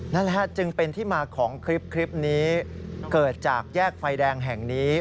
นั่นแหละจึงเป็นที่มาของคลิปนี้เกิดจากแยกไฟแดงแห่งนี้